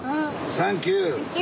サンキュー。